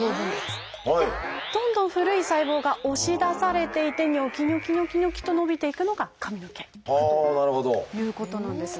どんどん古い細胞が押し出されていってニョキニョキニョキニョキと伸びていくのが髪の毛だということなんです。